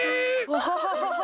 アハハハハ。